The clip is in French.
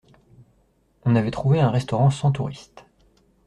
On avait trouvé un restaurant sans touristes.